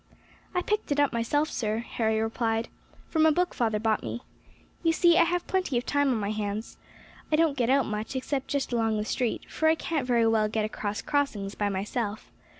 "I picked it up myself, sir," Harry replied, "from a book father bought me. You see I have plenty of time on my hands; I don't get out much, except just along the street, for I can't very well get across crossings by myself.